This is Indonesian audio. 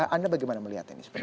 anda bagaimana melihat ini